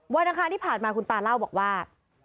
อังคารที่ผ่านมาคุณตาเล่าบอกว่า